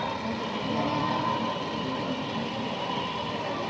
mereka berharap umpamu untuk selalu berhenti merawat anggota